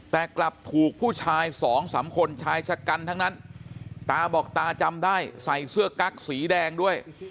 แต่กลับถูกผู้ชายสองสามคนชายชะกันทั้งนั้นตาบอกตาจำได้ใส่เสื้อกั๊กสีแดงด้วย